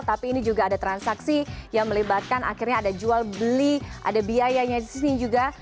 tapi ini juga ada transaksi yang melibatkan akhirnya ada jual beli ada biayanya di sini juga